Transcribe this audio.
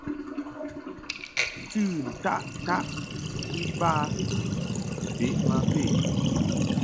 Tɨ ntaʼ ntaʼ iba bə ma feʼ.